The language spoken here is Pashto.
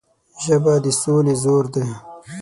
ژبه د سولې زور ده